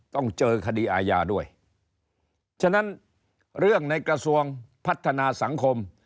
ต้องเจอคดีอาญาด้วยฉะนั้นเรื่องในกระทรวงพัฒนาสังคม